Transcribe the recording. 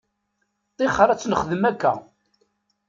Ṭixer ad t-nxedmet akka.